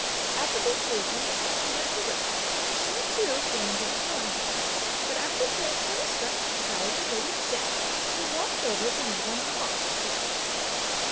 At the conclusion of what she had to write, she too came into the drawing room; but after paying her respects to dowager lady Chia, she walked over to madame Wang's quarters.